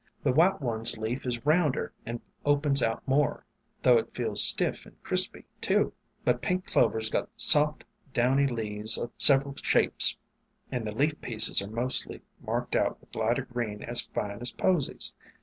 The White one's leaf is rounder and opens out more, though it feels stiff and crispy, too. But Pink Clover 's got soft, downy leaves o' several shapes, and the leaf pieces are mostly marked out with lighter green as fine as posies.